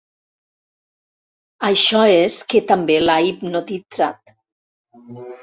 Això és que també l'ha hipnotitzat.